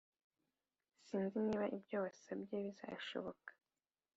sinzi niba ibyo wasabye bizashoboka